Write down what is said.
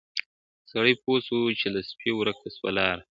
سړی پوه سو چي له سپي ورکه سوه لاره ,